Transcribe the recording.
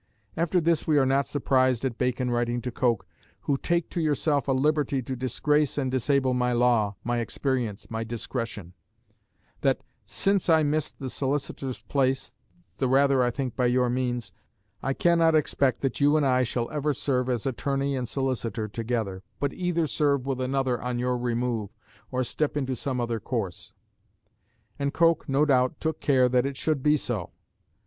After this we are not surprised at Bacon writing to Coke, "who take to yourself a liberty to disgrace and disable my law, my experience, my discretion," that, "since I missed the Solicitor's place (the rather I think by your means) I cannot expect that you and I shall ever serve as Attorney and Solicitor together, but either serve with another on your remove, or step into some other course." And Coke, no doubt, took care that it should be so.